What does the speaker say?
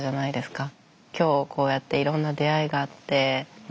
今日こうやっていろんな出会いがあって涙も流れて